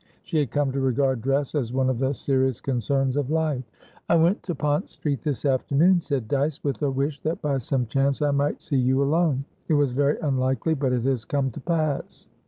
She had come to regard dress as one of the serious concerns of life. "I went to Pont Street this afternoon," said Dyce, "with a wish that by some chance I might see you alone. It was very unlikely, but it has come to pass."